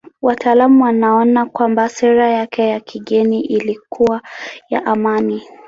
Wataalamu wanaona kwamba sera yake ya kigeni ilikuwa ya amani.